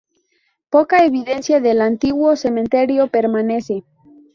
Poca evidencia del antiguo cementerio permanece.